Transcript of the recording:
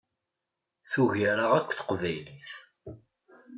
Tugar-aɣ akk Teqbaylit!